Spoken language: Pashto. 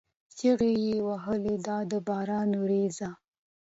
چیغې یې وهلې: دا ده د باران ورېځه!